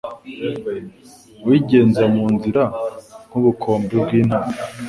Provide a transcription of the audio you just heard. Wigenza mu nzira, nk'ubukombe bw'intare,